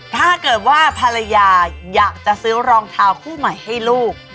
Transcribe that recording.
ถ้าเกิดว่าภรรยาอยากจะซื้อรองเท้าคู่ใหม่ให้ลูก